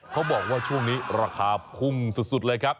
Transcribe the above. เขาบอกว่าช่วงนี้ราคาพุ่งสุดเลยครับ